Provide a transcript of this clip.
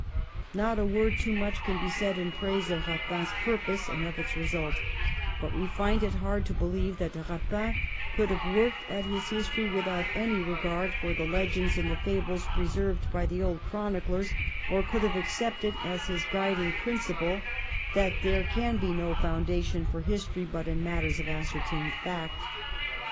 Not a word too much can be said in praise of Eapin's purpose and of its result, but we find it hard to believe that Eapin could have worked at his history without any regard for the legends and the fables preserved by the old chroniclers, or could have accepted as his guiding principle that there can be no foundation for history but in matters of ascertained fact.